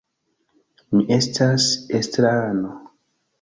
Mi estas estrarano.